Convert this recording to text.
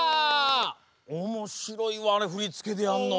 おもしろいわあれふりつけでやんの。